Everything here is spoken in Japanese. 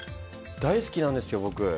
大好きなんですよ、僕。